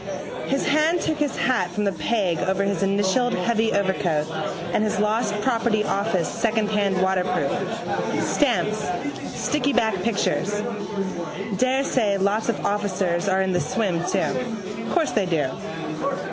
His hand took his hat from the peg over his initialled heavy overcoat and his lost property office secondhand waterproof. Stamps: stickyback pictures. Daresay lots of officers are in the swim too. Course they do.